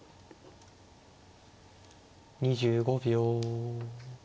２５秒。